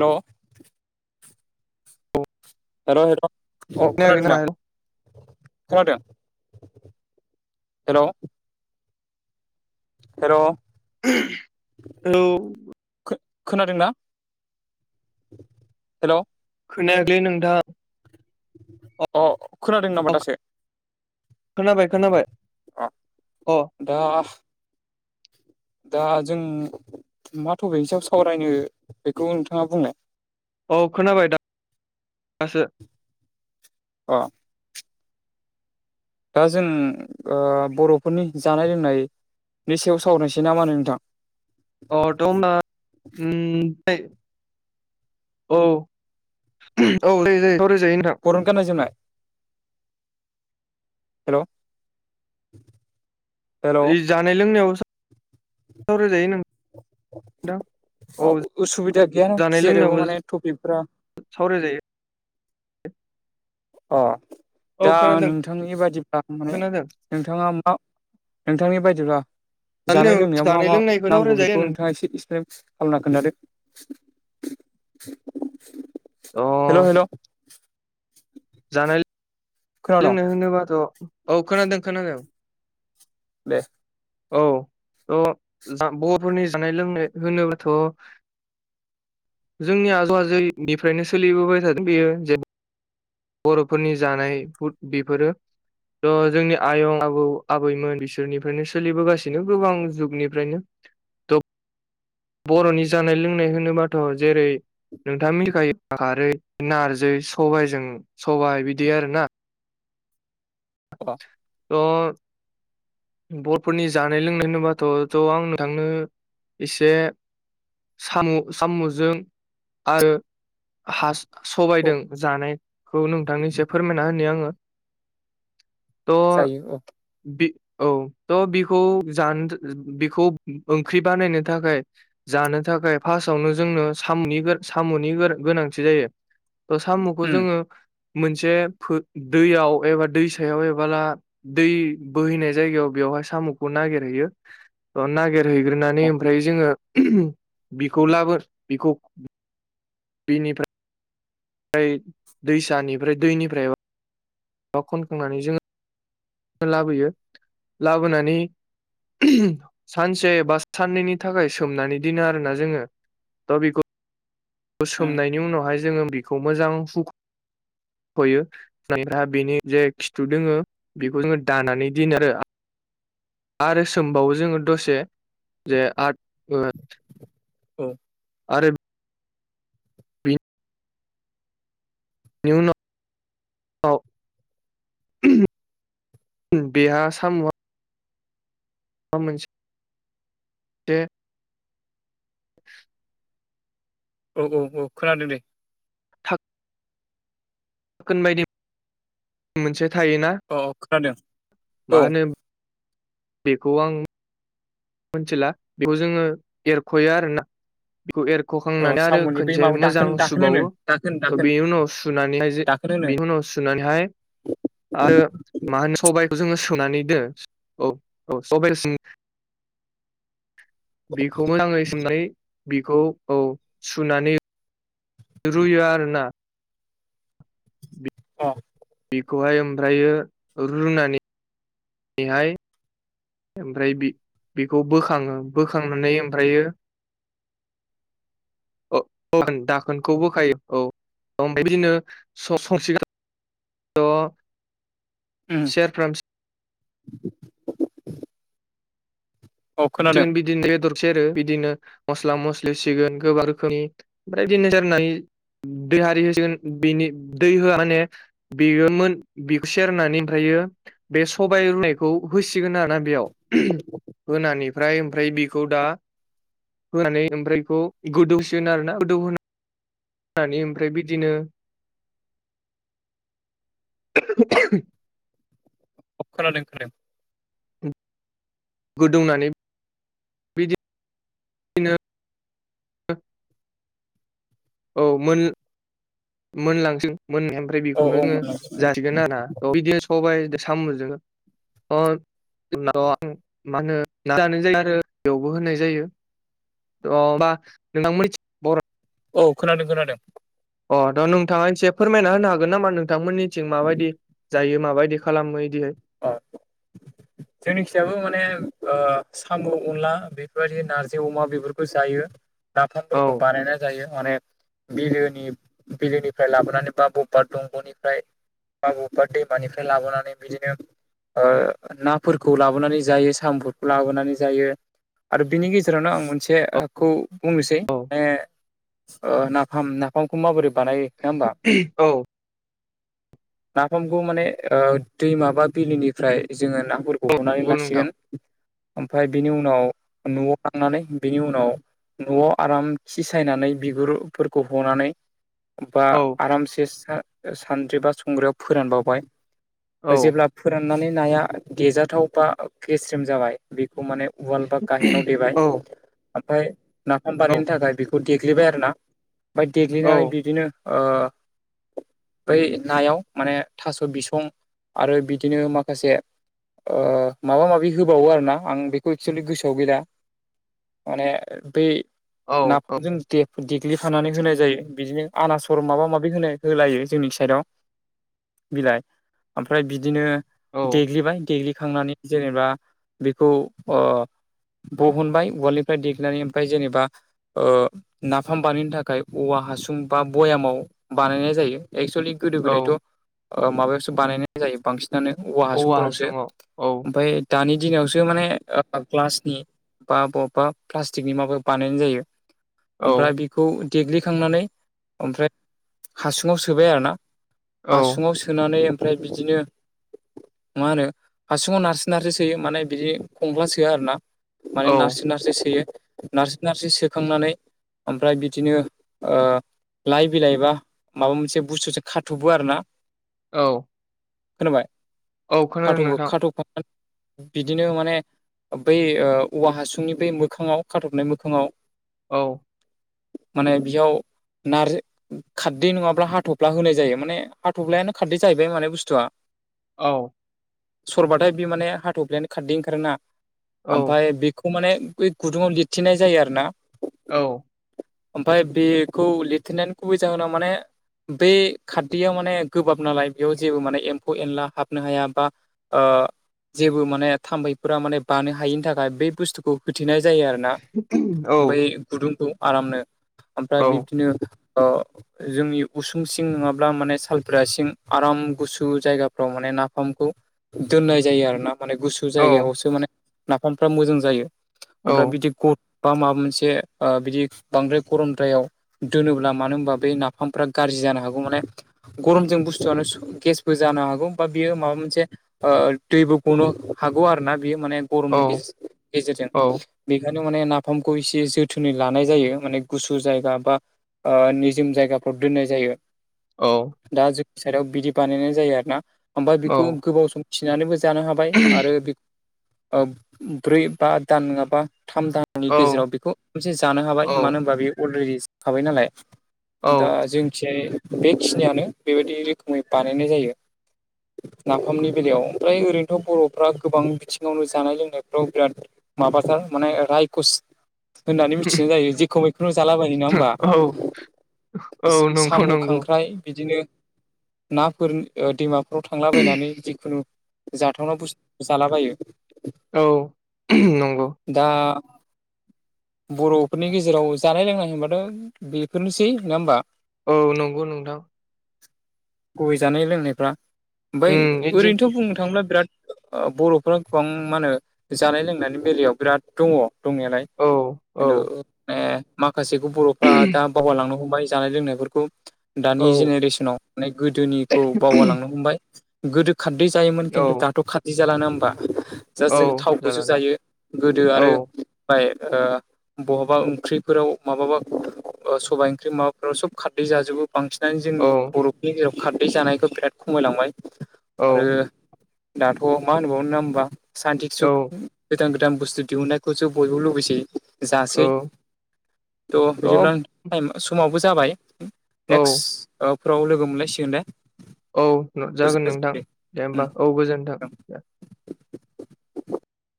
हेल hello hello अ खोनायाखै खोनादों नामा दा? हेल' खोनादों हेलौ? हेर [unintelligible] खो-खोनादोंना हेलौ। खोनायाखैलै नोंथां। अ खोनादों नामा दासो? खोनाबाय खोनाबाय। अ अ दा दा जों मा टपिकनि सायाव सावरायनो बेखौ नोंथाङा बुंलाय। औ खोनाबाय दा दासो। अ। दा जों ओ बर'फोरनि जानाय लोंनाय नि सायाव सावरायसै ना मा होनो नोंथां? अ दङो ओम दै औ औ जायो जायो सावराय जायो नोंथां। बर'नि गाननाय जोमनाय। हेलौ ओ जानाय लोंनायाव सावरायजायो नों उसुबिदा गैयाना जेरावबो माने टपिकफ्रा सावराय जायो। अ औ दा खोनादों नोंथांनि बादिब्ला माने खोनादों नोंथाङा मा नोंथांनि बायदिबा जानाय लोंनायाव मा जानाय मा लोंनायखौ नांगौ सावरायजायो बेखौ नों नोंथाङा एसे इसफ्रेस खालामना खोन्थादो अ हेलौ हेलौ जानाय खोनादों लोंनाय होनोबाथ औ खोनादो खोनादों। देस औ ओ जा बर'फोरनि जानाय लोंनाय होनोबाथ' जोंनि आजौ आजैनिफ्रायनो सोलिबोबाय थादों बेयो जेन बरफोरनि जानाय हुद बेफोरो। थ' जोंनि आयं आबौ आबैमोन बिसोरनिफ्रायनो सोलिबोगासिनो गोबां जुगनिफ्रायनो। दग बरनि जानाय लोंनाय होनोबाथ जेरै नोंथाङा मिथिखायो खारै नारजै सबाइजों सबाइ बिदि आरो ना। अ द बर'फोरनि जानाय लोंनाय होनोबाथ' थ' आंनो थांनो इसे साम' साम'जों आरो हा औ सबाइदों जानायखौ नोंथांनिसे फोरमायना होनि आङो। द जायो औ बि औ त' बिखौ जानो बिखौ ओंख्रि बानायनो थाखाय जानो थाखाय फासआवनो जोंनो सामुनि गोर सामुनि गोर गोनांथि जायो। ओ सामुखौ उम जोङो मोनसे फो दैयाव एबा दैसायाव एबाला दै बोहैनाय जायगायाव बेयावहाय सामुखौ नागिरहैयो ओ नागिरहैग्रोनानै अ ओमफ्राय जोङो बिखौ लाबो बिखौ। बिनिफ्राय दैसानिफ्राय दैनिफ्राय बा खनखांनानै जोङो लाबोयो लाबोनानै सानसे बा साननैनि थाखाय सोमनानै दोनो आरोना जोङो। दा बेखौ उम सोमनायनि उनावहाय जोङो बेखौ मोजां हु फोयो जायफ्रा बेनि जे खिथु दोङो बेखौ जोङो दानानै दिनो आरो। आरो सोमबावो जोङो दसे जे आ [unintelligible] ओ औ। आरो नि उनाव [unintelligible] आव बेहा सामआ [unintelligible] [inaudible] औ औ औ खोनादों दे। थाख गोन बायदि मोनसे थायोना औ खोनादों मा औ। होनो बेखौ आं मोनथिला बेखौ जोङो एरख'यो आरो ना। बेखौ अ एरख'खांनानै आरो साम'नि बै खोनसे माबा दाखोन मोजां दाखोन होनो सुबावो। दाखोन दाखोन बेनि उनाव सुनानैहाय दाखोन होनो बेनि उनाव सुनानैहाय आरो मा होनो सबाइखो जोङो सुनानै दो [unintelligible] औ औ सबाइसि बेखौ मोजाङै सोमनानै बेखौ औ सुनानै रुयो आरो ना अ बेखौहाय ओमफ्रायो रुनानै नैहाय ओमफ्राय बि-बिखौ बोखाङो बोखांनानै ओमफ्रायो [inaudible] अ अ दाखोनखौ बोखायो औ अम बेबादिनो स-ससिगोन। ओ। उम। सेरफ्राम औ खोनादों सिगोन बिदिनो बेदर सेरो बिदिनो मस्ला मस्लि होसिगोन गोबां रोखोमनि ओमफ्राय बिदिनो जार दै हारि होसिगोन बेनि दै होआ माने बेयो मोन बेखो सेरनानै ओमफ्रायो। बे सबाइ रुनायखौ होसिगोन आरो ना बेयाव होनानै फ्राय ओमफ्राय बिखौ दा होनानै ओमफ्रायखौ गोदौसिगोन आरोना गोदौहोना नानै ओमफ्राय बिदिनो [inaudible] औ खोनादों खोनादों। गोदौनानै बिदिनो औ मोन मोनलांसै मोननाया ओमफ्राय औ बेखौनो जोङो औ जासै। गोन आरोना [unintelligible] बिदिनो सबाय साम'जों सामुजों। मा होनो [unintelligible] जानाय जायो आरो बेयावबो होनाय जायो। अ बा नोंथांमोनथिं बर औ खोनादों खोनादों। अ दा नोंथाङा एसे फोरमायना होनो हागोन नामा नोंथांमोननिथिं माबायदि जायो माबायदि खालामो इदियै। [unintelligible] जोंनिखिजायबो माने ओ सामु अनला बेफोरबायदि नार्जि अमा बेफोरखौ जायो। औ नाफामफोरखौ बानायना जायो अनेक बिलोनि बिलोनिफ्राय लाबोनानै बा बबा दंग'निफ्राय बा बबा दैमानिफ्राय लाबोनानै बिदिनो ओ नाफोरखौ लाबोनानै जायो साम'फोरखौ लाबोनानै जायो। आरो बिनि गेजेरावनो आं औ मोनसेखौ बुंनोसै ओ ओ नाफाम नाफामखौ माबोरै बानायो नङा होमबा औ नाफामखौ माने ओ दैमा बा बिलोनिफ्राय जोङो नाफोरखौ हनानै नंगौ नोंथां लासिगोन। ओमफाय बिनि उनाव न'आव थांनानै बिनि उनाव न'आव आराम खि सायनानै बिगुरफोरखौ हनानै बा औ आरामसे सा-सानद्रि बा संग्रायाव फोरानबावबाय औ जेब्ला फोराननानै नाया देजाथाव बा गेस्रेम जाबाय बेखौ माने उवाल बा गाहेनाव देबाय औ ओमफाय नाफाम बानायनो थाखाय बे खौ देग्लिबाय आरो ना ओमफाय औ देग्लिनानै बिदिनो ओ बै नायाव माने थास' बिसं आरो बि दिनो माखासे ओ माबा माबि होबावो आरोना आं बेखौ एक्सुयेलि गोसोआव गैला माने बै औ नाफोरजों दे देग्लिफानानै होनाय जायो बिदिनो आनासर माबा माबि होनाय होलायो जोंनि साइडआव बिलाइ ओमफ्राय बिदिनो औ देग्लिबाय देग्लिखांनानै जेनेबा बेखौ ओ बहनबाय उवालनिफ्राय देग्लिनानै ओमफाय जेनेबा ओ नाफाम बानायनो थाखाय औवा हासुं बा बयामाव बानायनाय जायो। एक्सुलि गोदो गोदायथ' औ ओ माबायावसो बानायनाय जायो बांसिन दानो औवा हासुंफोरावसो हासुङाव औ ओमफाय दानि दिनावसो माने ओ ग्लासनि बा बबा प्लास्टिकनि माबा बानायनाय जायो। औ ओमफ्राय बेखौ देग्लिखांनानै ओमफ्राय हासुङाव सोबाय आरोना औ हासुङाव सोनानै ओमफ्राय बिदिनो मा होनो हासुङाव नारसो नारसो सोयो माने बिदि खंख्ला सोआ आरोना माने औ नारसो नारसो सोयो नारसो नारसो सोखांनानै ओमफ्राय बिदिनो ओ लाइ बिलाइ बा माबा मोनसे बुस्थुसो खाथ'बो आरो ना औ खोनाबाय औ खोनादों खाथ'बो नोंथां खाथ' [inaudible] बिदिनो माने बै ओ औवा हासुंनि बै मोखाङाव खाथबनाय मोखाङाव औ माने बेयाव नारजो खारदै नङाब्ला हाथ'फ्ला होनाय जायो माने हाथ'फ्लायानो खारदै जाहैबाय माने बुस्थुआ औ सरबाथाय बि माने हाथ'फ्लायानो खारदै ओंखारोना औ ओमफाय बे खौ माने बै गुदुङाव लिरथिनाय जायो आरो ना औ ओमफाय बेखौ लिरथेनायनि गुबै जाहोना माने बे खारदैयाव माने गोबाब नालाय बेयाव जेबो माने एम फौ एनला हाबनो हाया बा ओ जेबो माने थाम्फैफोरा माने बानो हायिनि थाखाय बे बुस्थुखौ होथेनाय जायो आरोना बै गुदुंखौ आरामनो ओमफ्राय बिब्दिनो ओ जोंनि उसुं सिं नङाब्ला माने सालफ्रा सिं आराम गुसु जायगाफ्राव माने नाफामखौ दोननाय जायो आरो ना माने गुसु जायगायावसो माने नाफामफ्रा मोजां जायो ओमफ्राय बिदि गथ- बा माबा मोनसे ओ बिदि बांद्राय गरमद्रायाव दोनोब्ला मानो होनबा बे नाफामफ्रा गारजि जानो हागौ माने गरमजों बुस्थुआनो गेस जानो हागौ बा बियो माबा मोनसे ओ दैबो गनो हागौ आरो ना बियो माने गरमनि गेजेर गेजेरजों औ बेखायनो माने नाफामखौ एसे जोथोनै लानाय जायो माने गुसु जायगा बा ओ निजोम जायगाफोराव दोननाय जायो औ दा जोंनि साइडआव बिदि बानायनाय जायो आरो ना ओमफ्राय बेखौ औ गोबाव सम थिनानैबो जानो हाबाय बाय आरो बेखो ओ ब्रै बा दान नङाबा थाम दान आंनि औ गेजेराव बेखौ मोनसे जानो हाबाय मानो औ होनबा बेयो अलरेडि संखाबाय नालाय दा औ जोंखि बेखिनियानो बेबायदि रोखोमै बानायनाय जायो नाफामनि बेलायाव ओमफ्राय ओरैनोथ' बर'फ्रा गोबां बिथिङावनो जानाय लोंनायफ्राव बिराद माबाथार माने रायकुस होननानै मिथिनाय जायो जेखौ मैखौनो जालाबायो नङा होमबा औ औ नंगौ साम' नंगौ खांख्राइ बिदिनो नाफोर दैमाफोराव थांलाबायनानै जिखुनु जाथावना बसथु जालाबायो औ नंगौ दा बर'फोरनि गेजेराव जानाय लोंनाय होनबाथ' बेफोरनोसै नङा होमबा औ नंगौ नोंथां गय जानाय लोंनायफ्रा ओमफ्राय उम इदिन ओरैनोथ' बुंनो थाङोब्ला बिराद बर'फोरा गोबां मा होनो जानाय लोंनायनि बेलायाव बिराद दङ दंनायालाय औ औ खिन्थु माने माखासेखौ बर'फ्रा दा बावगलांनो हमबाय जानाय लोंनायफोरखौ औ दानि जेनेरेसनाव माने गोदोनिखौ बावगारलांनो हमबाय गोदो खारदै जायोमोन औ खिन्थु दाथ' खारदै जाला नङा होमबा औ जास्ट जों थावखौसो जाला दा जायो गोदो औ आरो बाय ओ बहाबा ओंख्रिफोराव माबाबा सबाय ओंख्रि माबाफोराव सब खारदै जाजोबो बांसिनानो औ जोंनि बर'नि गेजेराव खारदै जानायखौ बिराद खमायलांबाय औ आरो दाथ' मा होनबावनो नङा होमबा सान्ति औ सुख गोदान गोदान बुस्थु दिहुननायखौसो बयबो लुबैसै जासै औ तह बिदिब्ला औ [inaudible] समाबो जाबाय नेक्स्ट फोराव लोगो मोनलायसिगोन दे औ जागोन गोजोननाय नोंथां दे थाबाय होमबा औ गोजोनथों